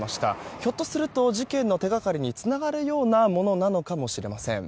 ひょっとすると事件の手がかりにつながるようなものなのかもしれません。